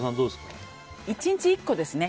１日１個ですね。